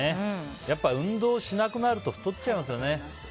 やっぱり運動しなくなると太っちゃいますよね。